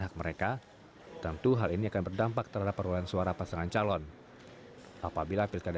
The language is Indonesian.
hak mereka tentu hal ini akan berdampak terhadap perolehan suara pasangan calon apabila pilkada